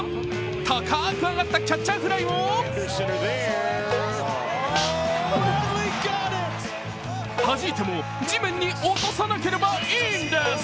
高く上がったキャッチャーフライをはじいても地面に落とさなければいいんです。